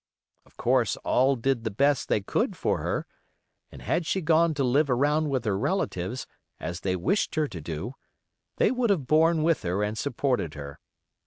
Of course all did the best they could for her, and had she gone to live around with her relatives, as they wished her to do, they would have borne with her and supported her.